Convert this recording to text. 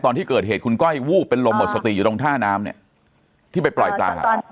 ตอนที่เกิดเหตุคุณก้อยวูบเป็นลมหมดสติอยู่ตรงท่าน้ำเนี่ยที่ไปปล่อยปลา